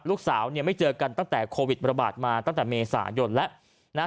ลูกสาวเนี่ยไม่เจอกันตั้งแต่โควิดระบาดมาตั้งแต่เมษายนแล้ว